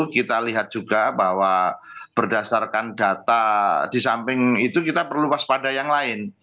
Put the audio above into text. kita lihat juga bahwa berdasarkan data di samping itu kita perlu waspada yang lain